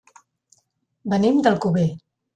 Venim d'Alcover.